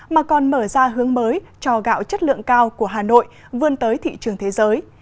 mà còn mở ra hướng mới cho gạo chất lượng cao của hà nội vươn tới thị trường thế giới